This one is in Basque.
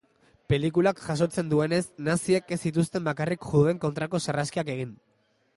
Pelikulak jasotzen duenez, naziek ez zituzten bakarrik juduen kontrako sarraskiak egin.